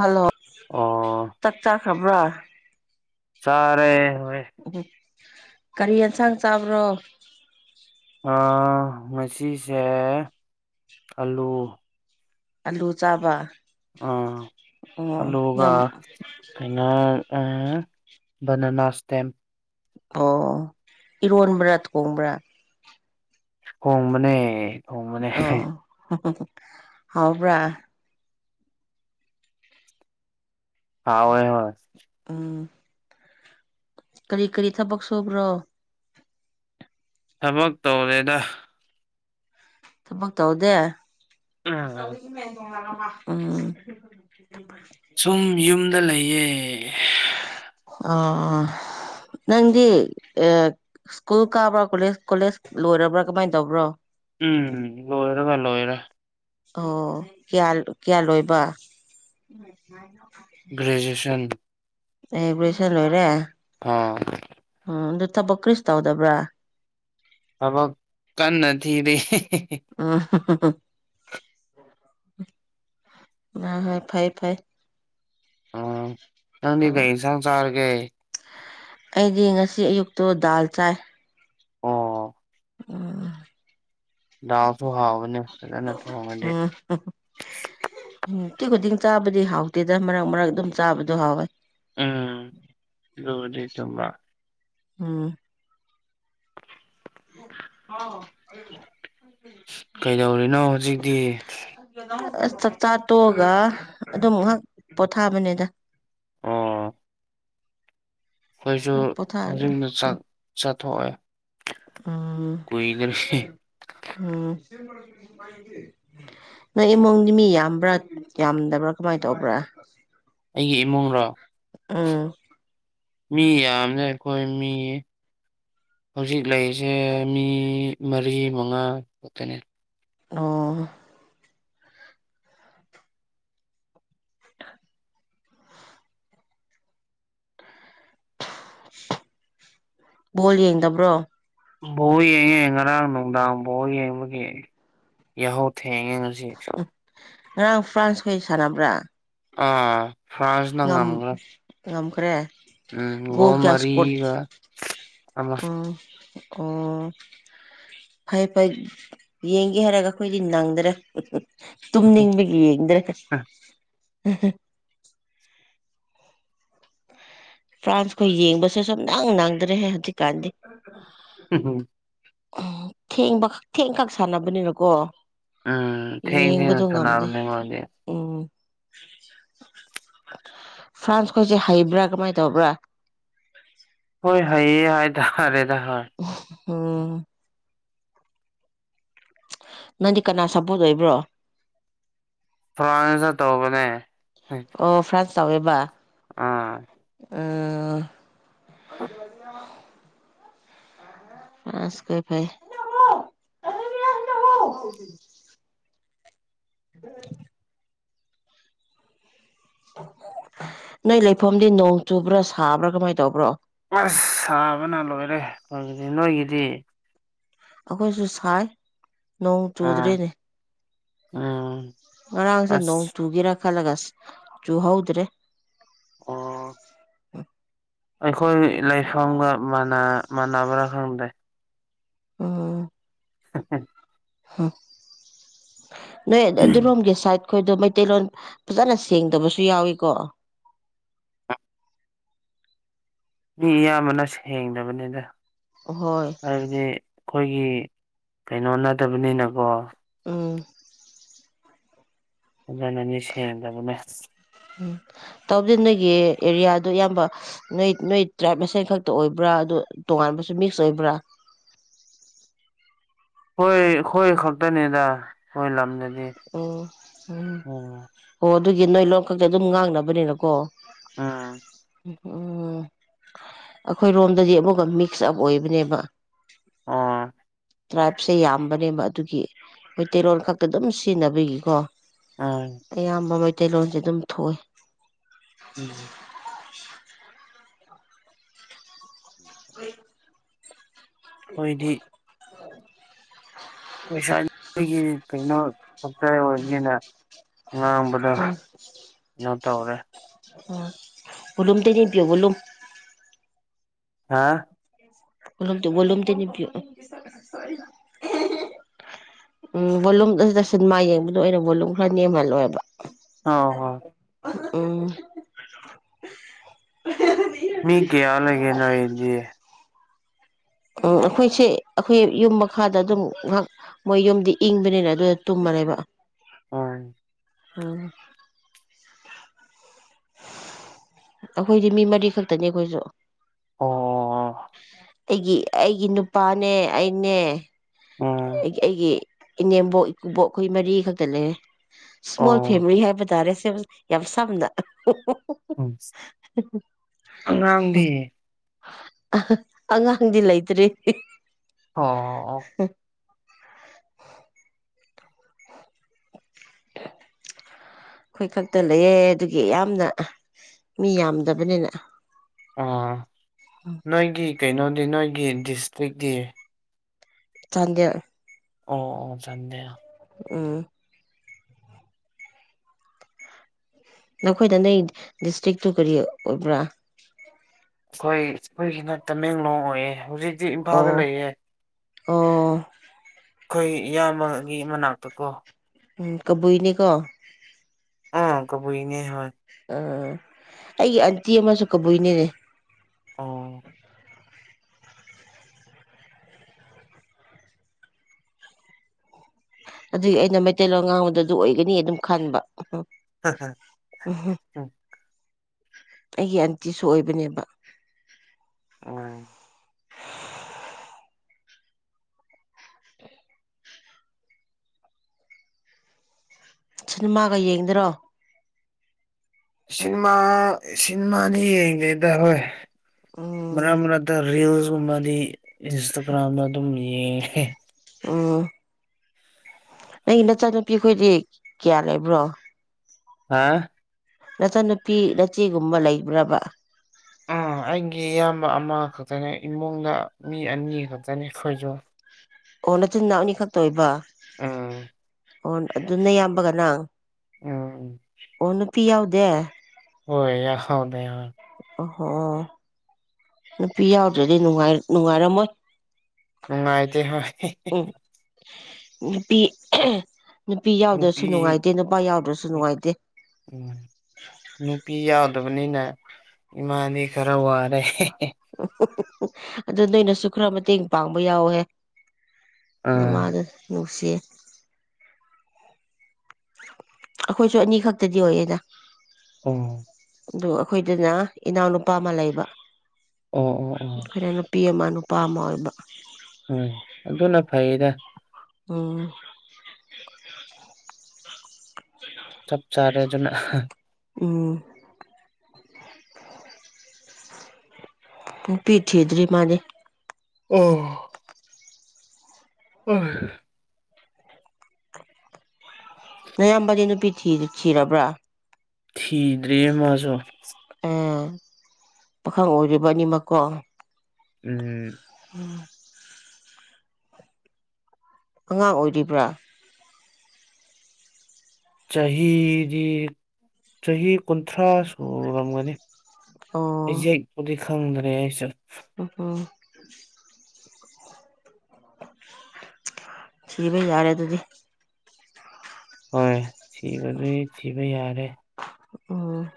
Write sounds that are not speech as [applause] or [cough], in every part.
hello ꯑꯣ ꯆꯥꯛ ꯆꯥꯈ꯭ꯔꯕ꯭ꯔꯣ ꯆꯥꯔꯦ ꯍꯣꯏ ꯀꯔꯤ ꯌꯦꯟꯁꯥꯡ ꯆꯥꯕ꯭ꯔꯣ ꯑꯥ ꯉꯁꯤꯁꯦ ꯑꯂꯨ ꯑꯂꯨ ꯆꯥꯕ ꯑ ꯑꯣ ꯑꯂꯨꯒ ꯌꯥꯝ ꯀꯩꯅꯥ ꯑ ꯕꯅꯅꯥ ꯁꯇꯦꯝ ꯑꯣ ꯏꯔꯣꯟꯕ꯭ꯔꯥ ꯊꯣꯡꯕ꯭ꯔꯥ ꯊꯣꯡꯕꯅꯦ ꯊꯣꯡꯕꯅꯦ ꯑꯣ ꯍꯥꯎꯕ꯭ꯔꯥ ꯍꯥꯎꯋꯦ ꯍꯣꯏ ꯎꯝ ꯀꯔꯤ ꯀꯔꯤ ꯊꯕꯛ ꯁꯨꯕ꯭ꯔꯣ ꯊꯕꯛ ꯇꯧꯗꯦꯗ ꯊꯕꯛ ꯇꯧꯗꯦ ꯎꯝ ꯁꯨꯝ ꯌꯨꯝꯗ ꯂꯩꯌꯦ ꯑꯣ ꯅꯪꯗꯤ ꯑ ꯁ꯭ꯀꯨꯜ ꯀꯥꯕ꯭ꯔꯥ ꯀꯣꯂꯦꯖ ꯀꯣꯂꯦꯖ ꯂꯣꯏꯔꯕ꯭ꯔꯥ ꯀꯃꯥꯏ ꯇꯧꯕ꯭ꯔꯣ ꯎꯝ ꯂꯣꯏꯔꯒ ꯂꯣꯏꯔꯦ ꯑꯣ ꯀꯌꯥ ꯀꯌꯥ ꯂꯣꯏꯕ ꯒ꯭ꯔꯦꯖꯨꯌꯦꯁꯟ ꯑꯦ ꯒ꯭ꯔꯦꯖꯨꯌꯦꯁꯟ ꯂꯣꯏꯔꯦ ꯑꯥ ꯎꯝ ꯑꯗꯨ ꯊꯕꯛ ꯀ꯭ꯔꯤꯁꯨ ꯇꯧꯗꯕ꯭ꯔꯥ ꯊꯕꯛ ꯀꯟꯅ ꯊꯤꯔꯤ ꯑꯥ ꯍꯥ ꯍꯥ ꯍꯣꯏ ꯍꯣꯏ ꯐꯩ ꯐꯩ ꯑ ꯅꯪꯗꯤ ꯀꯩ ꯏꯪꯁꯥꯡ ꯆꯥꯔꯒꯦ ꯑꯩꯗꯤ ꯉꯁꯤ ꯑꯌꯨꯛꯇꯣ ꯗꯥꯜ ꯆꯥꯏ ꯑꯣ ꯑꯣ ꯑꯝ ꯗꯥꯜꯁꯨ ꯍꯥꯎꯕꯅꯦ ꯐꯖꯅ ꯊꯣꯡꯉꯗꯤ ꯍꯝ ꯍꯝ ꯎꯝ ꯅꯨꯇꯤ ꯈꯨꯗꯤꯡ ꯆꯥꯕꯗꯤ ꯍꯥꯎꯇꯦꯗ ꯃꯔꯛ ꯃꯔꯛ ꯑꯗꯨꯝ ꯆꯥꯕꯗꯣ ꯍꯥꯎꯋꯦ ꯆꯨꯝꯕ꯭ꯔꯥ ꯑꯝ ꯍꯥꯎ ꯀꯩꯗꯧꯔꯤꯅꯣ ꯍꯧꯖꯤꯛꯇꯤ ꯑꯁ ꯆꯥꯛꯆꯥꯥ ꯇꯣꯛꯑꯒ ꯑꯗꯨꯝ ꯉꯥꯏꯍꯥꯛ ꯄꯣꯊꯥꯕꯅꯤꯗ ꯑꯣ ꯑꯩꯈꯣꯏꯁꯨ ꯄꯣꯊꯥꯔꯦ ꯍꯧꯖꯤꯛ ꯎꯝ ꯆꯥꯛ ꯆꯥꯊꯣꯛꯑꯦ ꯎꯝ ꯀꯨꯏꯗ꯭ꯔꯤ ꯎꯝ ꯅꯣꯏ ꯏꯃꯨꯡꯅꯤ ꯃꯤ ꯌꯥꯝꯕ꯭ꯔꯥ ꯌꯥꯝꯗꯕ꯭ꯔꯥ ꯀꯃꯥꯏꯅ ꯇꯧꯕ꯭ꯔꯥ [unintelligible] ꯑꯩꯒꯤ ꯏꯃꯨꯡꯔꯣ ꯎꯝ ꯃꯤ ꯌꯥꯝꯂꯦ ꯑꯩꯈꯣꯏ ꯃꯤ ꯍꯧꯖꯤꯛ ꯂꯩꯔꯤꯁꯦ ꯃꯤ ꯃꯔꯤ ꯃꯉꯥ ꯈꯛꯇꯅꯤ ꯑꯣ ꯕꯣꯜ ꯌꯦꯡꯗꯕ꯭ꯔꯣ ꯕꯣꯜ ꯌꯦꯡꯉꯦ ꯉꯔꯥꯡ ꯅꯨꯡꯗꯥꯡ ꯕꯣꯜ ꯌꯦꯡꯕꯒꯤ ꯌꯥꯍꯧ ꯊꯦꯡꯉꯦ ꯉꯁꯤꯁꯨ ꯉꯔꯥꯡ ꯐ꯭ꯔꯥꯟꯁꯈꯩ ꯁꯥꯟꯅꯕ꯭ꯔꯥ ꯑ ꯐ꯭ꯔꯥꯟꯁꯅ ꯉꯝ ꯉꯝꯒ꯭ꯔꯦ ꯉꯝꯈ꯭ꯔꯦ ꯒꯣꯜ ꯀꯌꯥ ꯏꯁꯀꯣꯠ ꯃꯔꯤꯒ ꯑꯃ ꯎꯝ ꯑꯣ ꯐꯩ ꯐꯩ ꯌꯦꯡꯒꯦ ꯍꯥꯏꯔꯒ ꯑꯩꯈꯣꯏꯗꯤ ꯅꯪꯗ꯭ꯔꯦ ꯍꯨꯝ ꯍꯨꯝ ꯇꯨꯝꯅꯤꯡꯕꯒꯤ ꯌꯦꯡꯗ꯭ꯔꯦꯗ ꯐ꯭ꯔꯥꯟꯁꯀ ꯌꯦꯡꯕꯁꯦ ꯁꯨꯛꯅꯪ ꯅꯪꯗ꯭ꯔꯦꯍꯦ ꯍꯧꯖꯤꯛꯀꯥꯟꯗꯤ ꯍꯨꯎꯝ ꯎꯝ ꯊꯦꯡꯕ ꯊꯦꯡ ꯈꯛ ꯁꯥꯟꯅꯕꯅꯤꯅꯀꯣ ꯎꯝ ꯊꯦꯡ ꯊꯦꯡꯅ ꯌꯦꯡꯕꯗꯣ ꯉꯝꯗꯦ ꯁꯥꯟꯅꯕꯅꯦ ꯃꯣꯏꯗꯤ ꯎꯝ ꯐ꯭ꯔꯥꯟꯁ ꯈꯣꯏꯁꯦ ꯍꯩꯕ꯭ꯔꯥ ꯀꯃꯥꯏ ꯇꯧꯕ꯭ꯔꯥ ꯍꯣꯏ ꯍꯩꯌꯦ ꯍꯥꯏꯇꯥꯔꯦ ꯗ ꯍꯣꯏ ꯎꯝ ꯅꯪꯗꯤ ꯀꯅꯥ ꯁꯥꯄꯣꯔꯠ ꯑꯣꯏꯕ꯭ꯔꯣ ꯐ꯭ꯔꯥꯟꯁꯇ ꯇꯧꯕꯅꯦ ꯑꯣ ꯐ꯭ꯔꯥꯟꯁ ꯇꯧꯋꯦꯕ ꯑꯥ ꯑꯥ [unintelligible] [inaudible] ꯅꯣꯏ ꯂꯩꯐꯝꯗꯤ ꯅꯣꯡ ꯆꯨꯕ꯭ꯔꯥ ꯁꯥꯕ꯭ꯔꯥ ꯀꯃꯥꯏꯅ ꯇꯧꯕ꯭ꯔꯣ ꯑꯁ ꯁꯥꯕꯅ ꯂꯣꯏꯔꯦ ꯑꯩꯏꯒꯤꯗꯤ ꯅꯣꯏꯒꯤꯗꯤ ꯑꯩꯈꯣꯏꯁꯨ ꯁꯥꯏ ꯅꯣꯡ ꯑꯥ ꯆꯨꯗ꯭ꯔꯦꯅꯦ ꯎꯝ ꯉꯔꯥꯡꯁꯦ ꯅꯣꯡ ꯑꯁ ꯆꯨꯒꯦꯔ ꯈꯜꯂꯒ ꯆꯨ ꯍꯧꯗ꯭ꯔꯦ ꯑꯣ [inaudible] ꯑꯩꯈꯣꯏ ꯂꯩꯐꯝꯒ ꯃꯥꯟꯅ ꯃꯥꯟꯅꯕ꯭ꯔꯥ ꯈꯪꯗꯦ ꯎꯝ [inaudible] ꯅꯣꯏ ꯑꯗꯨꯔꯣꯝꯒꯤ ꯁꯥꯏꯠ ꯈꯣꯏꯗꯣ ꯃꯩꯇꯩꯂꯣꯟ ꯐꯖꯅ ꯁꯦꯡꯗꯕꯁꯨ ꯌꯥꯎꯏꯀꯣ ꯑ ꯃꯤ ꯑꯌꯥꯝꯕꯅ ꯁꯦꯡꯗꯕꯅꯤꯗ ꯍꯣꯏ ꯍꯥꯏꯕꯗꯤ ꯑꯩꯈꯣꯏꯒꯤ ꯀꯩꯅꯣ ꯅꯠꯇꯕꯅꯤꯅꯀꯣ ꯎꯝ ꯐꯖꯅꯅꯤ ꯁꯦꯡꯗꯕꯅꯦ ꯎꯝ ꯇꯧꯗꯦ ꯅꯣꯏꯒꯤ ꯑꯦꯔꯤꯌꯥꯗꯣ ꯑꯌꯥꯝꯕ ꯅꯣꯏ ꯅꯣꯏ ꯇ꯭ꯔꯥꯏꯞ ꯃꯁꯦꯜ ꯈꯛꯇ ꯑꯣꯏꯕ꯭ꯔꯥ ꯑꯗꯨ ꯇꯣꯉꯥꯟꯕꯁꯨ ꯃꯤꯛꯁ ꯑꯣꯏꯕ꯭ꯔꯥ [inaudible] ꯍꯣꯏ ꯑꯩꯈꯣꯏ ꯈꯛꯇꯅꯤꯗ ꯈꯣꯏ ꯂꯝꯗ ꯑꯣ ꯎꯝ ꯑꯣ ꯑꯗꯨꯒꯤ ꯅꯣꯏ ꯂꯣꯟ ꯈꯛꯇ ꯑꯗꯨꯝ ꯉꯥꯡꯅꯕꯅꯤꯅꯀꯣ ꯎꯝ ꯎꯝ ꯎꯝ ꯑꯩꯈꯣꯏ ꯔꯣꯝꯗꯗꯤ ꯑꯃꯨꯛꯀ ꯃꯤꯛꯁ ꯁꯞ ꯑꯣꯏꯕꯅꯦꯕ ꯑꯥ ꯇ꯭ꯔꯥꯏꯞꯁꯦ ꯌꯥꯝꯕꯅꯦꯕ ꯑꯗꯨꯒꯤ ꯃꯩꯇꯩꯔꯣꯜ ꯈꯛꯇ ꯑꯗꯨꯝ ꯁꯤꯖꯤꯟꯅꯕꯒꯤꯀꯣ ꯎꯝ ꯑꯌꯥꯝꯕ ꯃꯩꯇꯩꯂꯣꯟꯁꯦ ꯑꯗꯨꯝ ꯊꯣꯛꯑꯦ ꯎꯝ [inaudible] ꯈꯣꯏꯗꯤ [inaudible] ꯄꯩꯁꯥꯒꯤ ꯀꯩꯅꯣ ꯈꯛ ꯑꯣꯏꯅꯤꯅ ꯉꯥꯡꯕꯗ ꯎꯝ ꯀꯩꯅꯣ ꯇꯧꯔꯦ [unintelligible] ꯍꯥ [unintelligible] ꯎꯝ ꯕꯣꯂꯨꯝꯗ ꯁꯤꯟꯃꯥ ꯌꯦꯡꯕꯗꯣ ꯑꯩꯅ ꯕꯣꯂꯨꯝ ꯈꯔ ꯅꯦꯝꯍꯜꯂꯣ ꯍꯥꯏꯕ ꯑꯧ ꯍꯣ [unintelligible] ꯃꯤ ꯀꯌꯥ ꯂꯩꯒꯦ ꯅꯣꯏꯗꯤ ꯎꯝ ꯑꯩꯈꯣꯏꯁꯦ ꯑꯩꯈꯣꯏ ꯌꯨꯝ ꯃꯈꯥꯗ ꯑꯗꯨꯝ ꯉꯥꯍꯥꯛ ꯃꯣꯏ ꯌꯨꯝꯗꯤ ꯏꯪꯕꯅꯤꯅ ꯑꯗꯨꯗ ꯇꯨꯝꯃ ꯂꯩꯕ ꯎꯝ ꯎꯝ ꯑꯩꯈꯣꯏꯗꯤ ꯃꯤ ꯃꯔꯤ ꯈꯛꯇꯅꯤ ꯑꯩꯈꯣꯏꯖꯨ ꯑꯣ ꯑꯩꯒꯤ ꯑꯩꯒꯤ ꯅꯨꯄꯥꯅꯦ ꯑꯩꯅꯦ ꯎꯝ ꯑꯩꯒꯤ ꯏꯅꯦꯝꯕꯣꯛ ꯏꯀꯨꯕꯣꯛ ꯑꯩꯈꯣꯏ ꯃꯔꯤ ꯈꯛꯇ ꯂꯩꯔꯦ ꯁ꯭ꯃꯣꯜ ꯑꯣ ꯐꯦꯃꯤꯂꯤ ꯍꯥꯏꯕ ꯇꯥꯔꯦ ꯌꯥꯝ ꯁꯝꯅ ꯎꯝ ꯑꯉꯥꯡꯗꯤ ꯑꯉꯥꯡꯗꯤ ꯂꯩꯇ꯭ꯔꯤ ꯑꯣ ꯑꯣ [unintelligible] [inaudible] ꯑꯩꯈꯣꯏ ꯈꯛꯇ ꯂꯩꯌꯦ ꯑꯗꯨꯒꯤ ꯌꯥꯝꯅ ꯃꯤ ꯌꯥꯝꯗꯕꯅꯤꯅ ꯎꯝ ꯅꯣꯏꯒꯤ ꯀꯩꯅꯣꯗꯤ ꯅꯣꯏꯒꯤ ꯗꯤꯁꯇ꯭ꯔꯤꯛꯇꯤ ꯆꯥꯟꯗꯦꯜ ꯑꯣ ꯑꯣ ꯆꯥꯟꯗꯦꯜ ꯎꯝ ꯅꯈꯣꯏꯗ ꯅꯪ ꯗꯤꯁꯇ꯭ꯔꯤꯛꯇꯨ ꯀꯔꯤ ꯑꯣꯏꯕ꯭ꯔꯥ ꯑꯩꯈꯣꯏ ꯑꯩꯈꯣꯏꯒꯤꯅ ꯇꯃꯦꯡꯂꯣꯡ ꯑꯣꯏꯌꯦ ꯍꯧꯖꯤꯛꯇꯤ ꯏꯝꯐꯥꯜꯗ ꯑꯣ ꯂꯩꯌꯦ ꯑꯣ ꯑꯩꯈꯣꯏ ꯏꯌꯥꯝꯕꯒꯤ ꯃꯅꯥꯛꯇ ꯀꯣ ꯎꯝ ꯀꯕꯨꯏꯅꯤꯀꯣ ꯑꯣ ꯀꯕꯨꯏꯅꯦ ꯍꯣꯏ ꯑ ꯑꯩꯒꯤ ꯑꯟꯇꯤ ꯑꯃꯁꯨ ꯀꯕꯨꯏꯅꯤꯅꯦ ꯑꯣ ꯑꯗꯨꯏ ꯑꯩꯅ ꯃꯩꯇꯩꯂꯣꯟ ꯉꯥꯡꯕꯗ ꯑꯗꯨ ꯑꯣꯏꯒꯅꯤ ꯑꯗꯨꯝ ꯈꯟꯕ [unintelligible] ꯑꯩꯒꯤ ꯑꯟꯇꯤꯁꯨ ꯑꯣꯏꯕꯅꯦꯕ ꯎꯝ ꯁꯤꯅꯦꯃꯥꯒ ꯌꯦꯡꯗꯔꯣ ꯁꯤꯅꯦꯃꯥ ꯁꯤꯅꯦꯃꯥꯅꯤ ꯌꯦꯡꯗꯦꯗ ꯍꯣꯏ ꯎꯝ ꯃꯔꯛ ꯃꯔꯛꯇ ꯔ꯭ꯤꯜꯁ ꯒꯨꯝꯕꯗꯤ ꯏꯟꯁꯇꯥꯒ꯭ꯔꯥꯝꯗ ꯑꯗꯨꯝ ꯌꯦꯡꯉꯦ ꯎꯝ ꯅꯪꯒꯤ ꯅꯆꯥꯅꯨꯄꯤꯈꯣꯏꯗꯤ ꯀꯌꯥ ꯂꯩꯕ꯭ꯔꯣ ꯍꯥ ꯅꯆꯟꯅꯨꯄꯤ ꯅꯆꯦꯒꯨꯝꯕ ꯂꯩꯕ꯭ꯔꯥꯕ ꯑꯥ ꯑꯩꯒꯤ ꯏꯌꯥꯝꯕ ꯑꯃ ꯈꯛꯇꯅꯦ ꯏꯃꯨꯡꯗ ꯃꯤ ꯑꯅꯤ ꯈꯛꯇꯅꯦ ꯑꯩꯈꯣꯏꯖꯨ ꯑꯣ ꯅꯆꯤꯟ ꯅꯥꯅꯥꯎ ꯑꯅꯤ ꯈꯛꯇ ꯑꯣꯏꯕ ꯎꯝ ꯑꯣ ꯑꯗꯨꯅ ꯌꯥꯝꯕꯒ ꯅꯪ ꯎꯝ ꯑꯣ ꯅꯨꯄꯤ ꯌꯥꯎꯗꯦ ꯍꯣꯏ ꯌꯥꯎꯗꯦ ꯌꯥꯎ ꯑꯣꯍꯣ ꯅꯨꯄꯤ ꯌꯥꯎꯗ꯭ꯔꯗꯤ ꯅꯨꯡꯉꯥꯏꯔꯝꯃꯣꯏ ꯅꯨꯡꯉꯥꯏꯇꯦ ꯍꯥꯏ ꯍꯤ ꯍꯤ ꯎꯝ ꯅꯨꯄꯤ ꯅꯨꯄꯤ ꯌꯥꯎꯗ꯭ꯔꯁꯨ ꯅꯨꯄꯤ ꯅꯨꯡꯉꯥꯏꯇꯦ ꯅꯨꯄꯥ ꯌꯥꯎꯗ꯭ꯔꯁꯨ ꯅꯨꯡꯉꯥꯏꯇꯦ ꯎꯝ ꯅꯨꯄꯤ ꯌꯥꯎꯗꯕꯅꯤꯅ ꯏꯃꯥꯗꯤ ꯈꯔ ꯋꯥꯔꯦ ꯍꯦ ꯑꯗꯨ ꯅꯣꯏꯅꯁꯨ ꯈꯔ ꯃꯇꯦꯡ ꯄꯥꯡꯕ ꯌꯥꯎꯍꯦ ꯑꯥ ꯅꯃꯥꯗꯣ ꯅꯨꯡꯁꯤꯌꯦ ꯑꯩꯈꯣꯏꯁꯨ ꯑꯅꯤ ꯈꯛꯇꯗꯤ ꯑꯣꯏꯌꯦꯅ ꯑꯝ ꯑꯗꯨ ꯑꯩꯈꯣꯏꯗꯅ ꯏꯅꯥꯎꯅꯨꯄꯥ ꯑꯃ ꯂꯩꯕ ꯑꯣꯑꯣ ꯑ ꯣ ꯑꯩꯈꯣꯏꯅ ꯅꯨꯄꯤ ꯑꯃ ꯅꯨꯄꯥ ꯑꯃ ꯑꯣꯏꯕ ꯎꯝ ꯑꯗꯨꯅ ꯐꯩꯗ ꯎꯝ ꯆꯞ ꯆꯥꯔꯦ ꯑꯗꯨꯅ ꯎꯝ ꯅꯨꯄꯤ ꯊꯤꯗ꯭ꯔꯤ ꯃꯥꯗꯤ ꯑꯝ ꯎꯝ ꯅꯌꯥꯝꯕꯗꯤ ꯅꯨꯄꯤ ꯊꯤ ꯊꯤꯔꯕ꯭ꯔꯥ ꯊꯤꯗ꯭ꯔꯤꯌꯦ ꯃꯥꯁꯨ ꯑ ꯄꯥꯈꯪ ꯑꯣꯏꯔꯤꯕ ꯑꯅꯤꯃꯛꯀꯣ ꯎꯝ ꯎꯝ ꯑꯉꯥꯡ ꯑꯣꯏꯔꯤꯕ꯭ꯔꯥ ꯆꯍꯤꯗꯤ ꯆꯍꯤ ꯀꯨꯟꯊ꯭ꯔꯥ ꯁꯨꯔꯝꯒꯅꯤ ꯑꯣ ꯑꯩꯁꯦꯛꯄꯨꯗꯤ ꯈꯪꯗ꯭ꯔꯦ ꯑꯩꯁꯨ ꯎꯝ ꯊꯤꯕ ꯌꯥꯔꯦ ꯑꯗꯨꯗꯤ ꯍꯣꯏ ꯊꯤꯕꯗꯤ ꯊꯤꯕ ꯌꯥꯔꯦ ꯑꯝ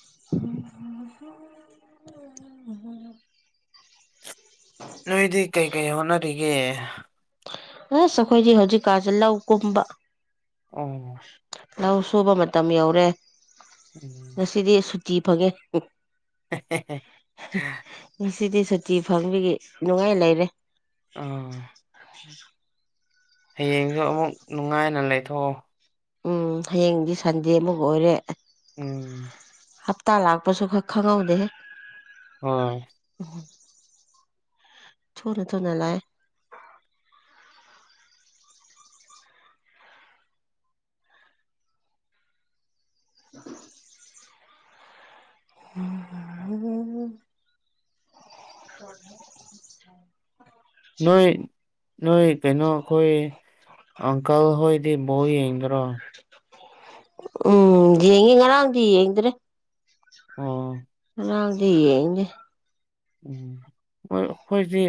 [unintelligible] ꯅꯣꯏꯗꯤ ꯀꯩ ꯀꯩ ꯍꯣꯠꯅꯔꯤꯒꯦ ꯑꯁ ꯑꯩꯈꯣꯏꯗꯤ ꯍꯧꯖꯤꯛꯀꯥꯁꯦ ꯂꯧ ꯀꯨꯝꯕ ꯑꯝ ꯂꯧ ꯁꯨꯕ ꯃꯇꯝ ꯌꯧꯔꯦ ꯎꯝ ꯉꯁꯤꯗꯤ ꯁꯨꯇꯤ ꯐꯪꯉꯦ ꯍꯥ ꯍꯦ ꯍꯦ ꯉꯁꯤꯗꯤ ꯁꯨꯇꯤ ꯐꯪꯕꯒꯤ ꯅꯨꯡꯉꯥꯏ ꯂꯩꯔꯦ ꯑꯥ ꯍꯌꯦꯡꯁꯨ ꯑꯃꯨꯛ ꯅꯨꯡꯉꯥꯏꯅ ꯂꯩꯊꯣꯛꯑꯣ ꯎꯝ ꯍꯌꯦꯡꯗꯤ ꯁꯟꯗꯦꯃꯨꯛ ꯑꯣꯏꯔꯦ ꯎꯝ ꯍꯞꯇꯥ ꯂꯥꯛꯄꯁꯨ ꯈꯛ ꯈꯪꯍꯧꯗꯦꯍꯦ ꯑꯥ ꯊꯨꯅ ꯊꯨꯅ ꯂꯥꯛ ꯑꯦ [inaudible] [unintelligible] [inaudible] ꯅꯣꯏ ꯅꯣꯏ ꯀꯩꯅꯣ ꯑꯩꯈꯣꯏ ꯑꯪꯀꯜ ꯍꯣꯏꯗꯤ ꯕꯧ ꯌꯦꯡꯗꯔꯣ ꯎꯝ ꯌꯦꯉ ꯉꯥꯔꯥꯡꯗꯤ ꯌꯦꯡꯗ꯭ꯔꯦ ꯑꯣ ꯉꯔꯥꯡꯗꯤ ꯌꯦꯡꯉꯦ ꯎꯝ ꯍꯣꯏ ꯑꯩꯈꯣꯏꯁꯤ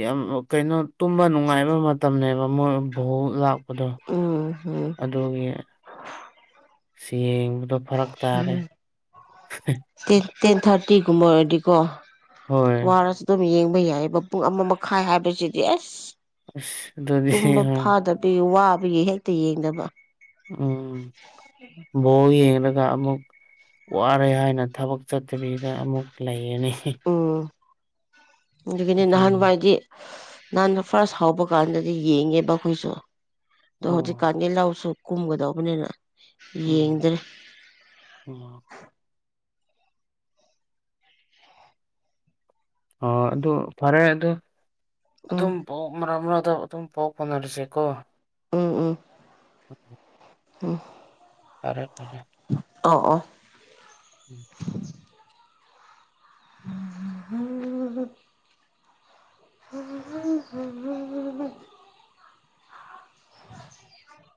ꯌꯥꯝ ꯀꯩꯅꯣ ꯇꯨꯝꯕ ꯅꯨꯡꯉꯥꯏꯕ ꯃꯇꯝꯅꯦꯕ ꯃꯣꯏ ꯕꯣꯜ ꯂꯥꯛꯄ ꯑꯗꯣ ꯎꯝ ꯎꯝ ꯑꯗꯨꯒꯤ ꯌꯦꯡꯕꯗꯣ ꯐꯔꯛ ꯇꯥꯔꯦ ꯎꯝ ꯇꯦꯟ ꯇꯦꯟ ꯊꯥꯔꯇꯤꯒꯨꯝꯕ ꯑꯣꯏꯔꯗꯤꯀꯣ ꯍꯣꯏ ꯋꯥꯔꯁꯨ ꯑꯗꯨꯝ ꯌꯦꯡꯕ ꯌꯥꯏꯑꯕ ꯄꯨꯡ ꯑꯃ ꯃꯈꯥꯏ ꯍꯥꯏꯕꯁꯤꯗꯤ ꯑꯁ ꯑꯁ ꯑꯗꯨꯗꯤ ꯇꯨꯝꯕ ꯍꯣꯏ ꯐꯥꯗꯕꯒꯤ ꯋꯥꯕꯒꯤ ꯍꯦꯛꯇ ꯌꯦꯡꯗꯕ ꯎꯝ ꯕꯣꯜ ꯌꯦꯡꯅ ꯑꯃꯨꯛ ꯋꯥꯔꯦ ꯍꯥꯏꯅ ꯊꯕꯛ ꯆꯠꯇꯕꯤꯗ ꯑꯃꯨꯛ ꯂꯩꯔꯅꯤ ꯑꯗꯨꯒꯤꯅꯦ ꯑꯗꯨ ꯅꯍꯥꯟꯋꯥꯏꯗꯤ ꯅꯍꯥꯟ ꯐꯥꯔꯁ ꯍꯥꯎꯕ ꯀꯥꯟꯗꯗꯤ ꯌꯦꯡꯉꯦꯕ ꯑꯩꯈꯣꯏꯁꯨ ꯑꯗꯣ ꯑꯣ ꯍꯧꯖꯤꯛꯀꯥꯟꯗꯤ ꯂꯧꯁꯨ ꯀꯨꯝꯒꯗꯧꯕꯅꯤꯅ ꯎꯝ ꯌꯦꯡꯗ꯭ꯔꯦ ꯎꯝ ꯑꯣ ꯑꯗꯨ ꯐꯔꯦ ꯑꯗꯨ ꯎꯝ ꯑꯗꯨꯝ ꯄꯎ ꯃꯔꯛ ꯃꯔꯛ ꯑꯣ ꯑꯗꯨꯝ ꯄꯥꯎ ꯐꯅꯔꯁꯦꯀꯣ ꯎꯝ ꯎꯝ ꯎꯝ ꯎꯝ ꯐꯔꯦ ꯐꯔꯦ ꯑ ꯑꯣ [inaudible] [unintelligible] [unintelligible] [inaudible]